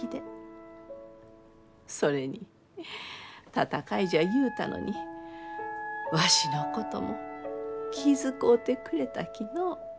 それに戦いじゃ言うたのにわしのことも気遣うてくれたきのう。